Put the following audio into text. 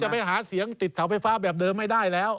ไปหาเสียงติดเสาไฟฟ้าแบบเดิมไม่ได้แล้ว